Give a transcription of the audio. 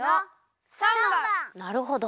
なるほど。